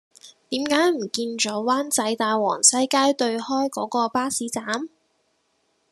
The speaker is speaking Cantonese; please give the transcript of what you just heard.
點解唔見左灣仔大王西街對開嗰個巴士站